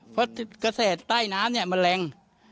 เพราะกระแสใต้น้ำนี่มันแรง